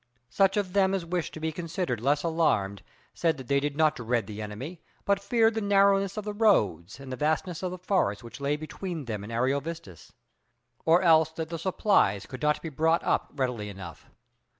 Such of them as wished to be considered less alarmed said that they did not dread the enemy, but feared the narrowness of the roads and the vastness of the forests which lay between them and Ariovistus, or else that the supplies could not be brought up readily enough.